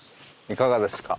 いかがですか？